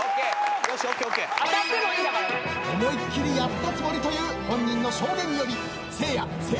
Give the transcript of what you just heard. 思いっきりやったつもりという本人の証言により。